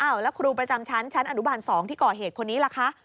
แล้วครูประจำชั้นชั้นอนุบาล๒ที่ก่อเหตุคนนี้ล่ะคะ